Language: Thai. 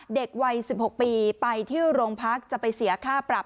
เด็กวัย๑๖ปีไปที่โรงพักจะไปเสียค่าปรับ